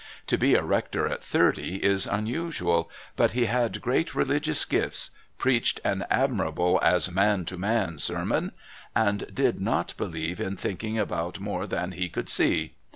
To be a rector at thirty is unusual, but he had great religious gifts, preached an admirable "as man to man" sermon, and did not believe in thinking about more than he could see.